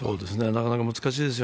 なかなか難しいです。